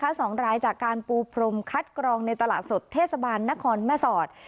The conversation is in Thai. สองรายจากการปูพรมคัดกรองในตลาดสดเทศบาลนครแม่สอด